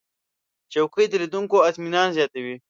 چوکۍ د لیدونکو اطمینان زیاتوي.